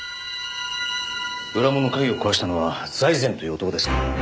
裏門の鍵を壊したのは財前という男ですか？